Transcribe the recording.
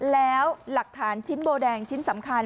แล้วหลักฐานชิ้นโบแดงชิ้นสำคัญ